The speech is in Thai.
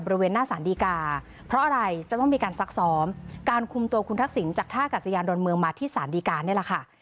บริเวณหน้าสารดีกาเพราะอะไรจะต้องมีการซักซ้อมการคุมตัวคุณทักษิณจากท่ากัศยานดอนเมืองมาที่สารดีการนี่แหละค่ะ